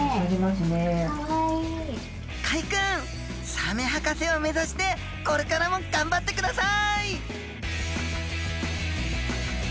サメ博士を目指してこれからも頑張ってください！